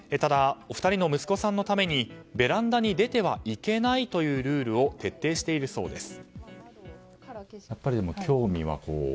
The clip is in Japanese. ただ、お二人の息子さんのためにベランダに出てはいけないというルールを徹底しているそうです。